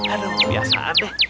ada kebiasaan deh